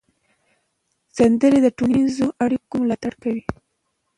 سندرې د ټولنیزو اړیکو ملاتړ کوي.